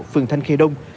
phường thanh khê đông